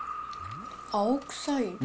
青臭い。